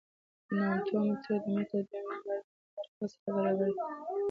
ناتو متر د متر د یو میلیاردمه برخې سره برابر دی.